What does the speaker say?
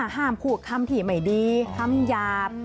ห้ามพูดคำที่ไม่ดีคำหยาบ